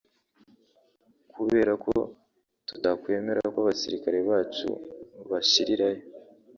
kubera ko tutakwemera ko abasirikare bacu bashirirayo”